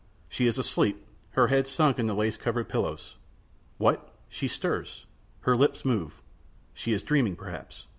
She is asleep, her head sunk in the lace covered pillows. What? She stirs? Her lips move. She is dreaming perhaps?